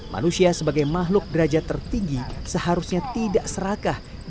manusia sebagai makhluk derajat tertinggi seharusnya tidak serakah dengan keadaan manusia